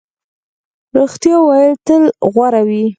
رښتیا ویل تل غوره وي.